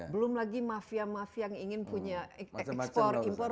belum lagi mafia mafia yang ingin punya ekspor impor